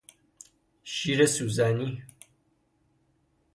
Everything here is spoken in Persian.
شیر سوزنی